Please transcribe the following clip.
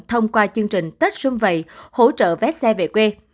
thông qua chương trình tết xuân vậy hỗ trợ vét xe về quê